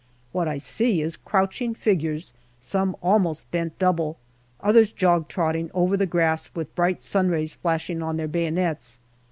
What I see is crouching figures, some almost bent double, others jog trotting over the grass with bright sun rays flashing on their bayonets.